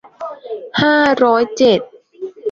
ห้าร้อยเจ็ด